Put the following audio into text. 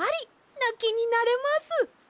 なきになれます！